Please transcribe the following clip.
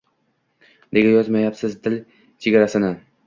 Nega yopmaysiz dil chegarasini?